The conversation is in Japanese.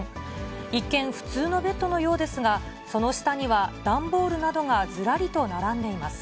一見、普通のベッドのようですが、その下には段ボールなどがずらりと並んでいます。